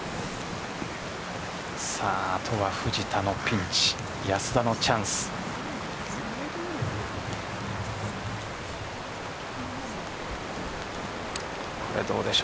あとは藤田のピンチ安田のチャンスです。